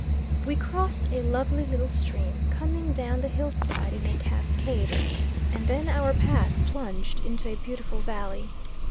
We crossed a lovely little stream coming down the hillside in a cascade; and then our path plunged into a beautiful valley.